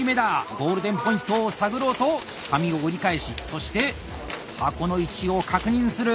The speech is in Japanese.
ゴールデンポイントを探ろうと紙を折り返しそして箱の位置を確認する！